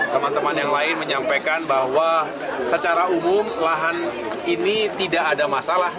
teman teman yang lain menyampaikan bahwa secara umum lahan ini tidak ada masalah